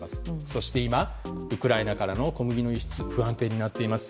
そして今、ウクライナからの小麦の輸出が不安定になっています。